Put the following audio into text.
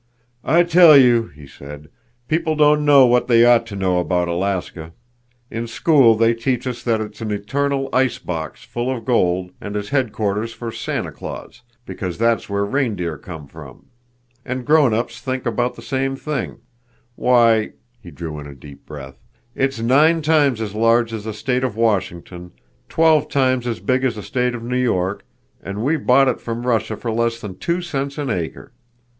"I tell you," he said, "people don't know what they ought to know about Alaska. In school they teach us that it's an eternal icebox full of gold, and is headquarters for Santa Claus, because that's where reindeer come from. And grown ups think about the same thing. Why"—he drew in a deep breath—"it's nine times as large as the state of Washington, twelve times as big as the state of New York, and we bought it from Russia for less than two cents an acre.